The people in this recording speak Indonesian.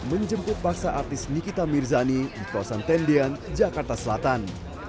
menjemput paksa artis nikita mirzani di kawasan tendian jakarta selatan